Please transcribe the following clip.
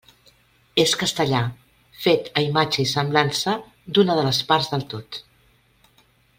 És castellà, fet a imatge i semblança d'una de les parts del tot.